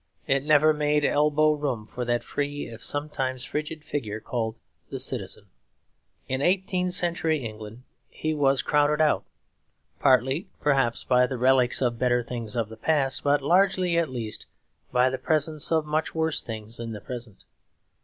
It never made elbow room for that free if sometimes frigid figure called the Citizen. In eighteenth century England he was crowded out, partly perhaps by the relics of better things of the past, but largely at least by the presence of much worse things in the present.